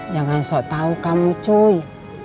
jangan sok tau kamu cuy